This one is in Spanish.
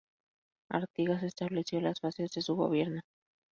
Artigas estableció las bases de su Gobierno.